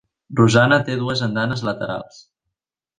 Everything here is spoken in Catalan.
Rosanna té dues andanes laterals.